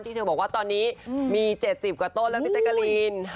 เธอบอกว่าตอนนี้มี๗๐กว่าต้นแล้วพี่แจ๊กกะลีน